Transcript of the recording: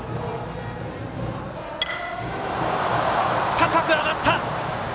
高く上がった！